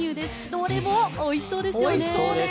どれもおいしそうですよね。